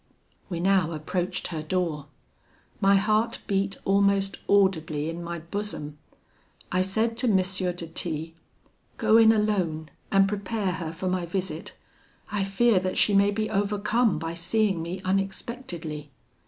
"We now approached her door. My heart beat almost audibly in my bosom. I said to M. de T , 'Go in alone, and prepare her for my visit; I fear that she may be overcome by seeing me unexpectedly.'